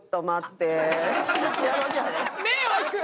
迷惑！